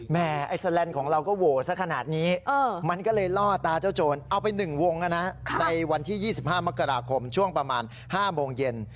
ไอ้แสลนด์ของเราก็โหวสักขนาดนี้มันก็เลยล่อตาเจ้าโจรเอาไป๑วงในวันที่๒๕มกราคมช่วงประมาณ๕โมงเย็น